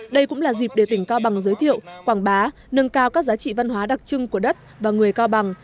đây cũng là dịp để tỉnh cao bằng giới thiệu quảng bá nâng cao các giá trị văn hóa đặc trưng của đất và người cao bằng